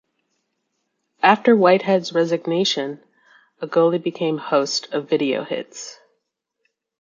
After Whitehead's resignation, Agolley became host of "Video Hits".